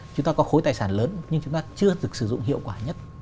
chúng ta có khối tài sản lớn nhưng chúng ta chưa được sử dụng hiệu quả nhất